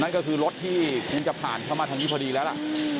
นั่นก็คือรถที่คงจะผ่านเข้ามาทางนี้พอดีแล้วล่ะ